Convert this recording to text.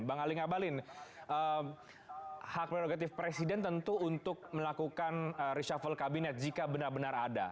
bang ali ngabalin hak prerogatif presiden tentu untuk melakukan reshuffle kabinet jika benar benar ada